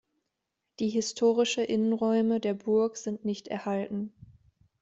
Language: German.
Die historische Innenräume der Burg sind nicht erhalten.